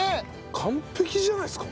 完璧じゃないですか。